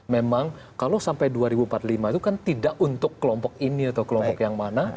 memang kalau sampai dua ribu empat puluh lima itu kan tidak untuk kelompok ini atau kelompok yang mana